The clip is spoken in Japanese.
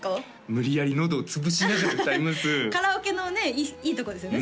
無理やりのどを潰しながら歌いますカラオケのねいいところですよね